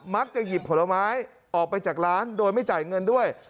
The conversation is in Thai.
หยิบผลไม้ออกไปจากร้านโดยไม่จ่ายเงินด้วย